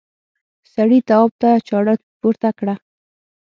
سړي تواب ته چاړه پورته کړه.